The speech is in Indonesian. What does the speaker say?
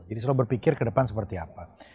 jadi selalu berpikir ke depan seperti apa